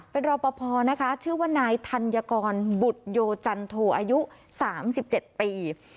เป็นรอบพอพอนะคะชื่อว่านายธัญกรบุฒโยจันโทอายุสามสิบเจ็ดปี